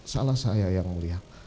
salah saya yang mulia